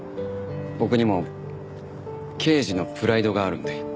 僕にも刑事のプライドがあるので。